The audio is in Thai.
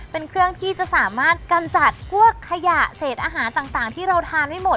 เป็นเครื่องที่จะสามารถกำจัดพวกขยะเศษอาหารต่างที่เราทานไม่หมด